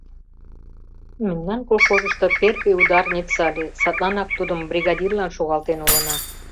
Мемнан колхозышто первый ударница ыле, садланак тудым бригадирлан шогалтен улына.